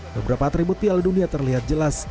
beberapa atribut piala dunia terlihat jelas